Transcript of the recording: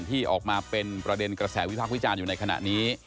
ที่ออกมาเป็นประเด็นกระแสวิพักษ์วิจารณ์อยู่ในขณะนี้